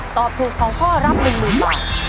ตอบถูก๒ข้อรับ๑๐๐๐บาท